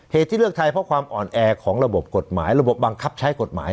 ที่เลือกไทยเพราะความอ่อนแอของระบบกฎหมายระบบบังคับใช้กฎหมาย